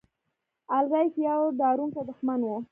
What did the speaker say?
الاریک یو ډاروونکی دښمن و.